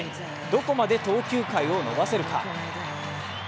どこまで投球回を伸ばせるか。